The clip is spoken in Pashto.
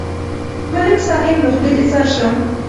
ملک صاحب، له خولې دې ځار شم.